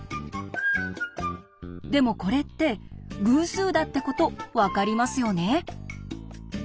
でもこれって偶数だってこと分かりますよね。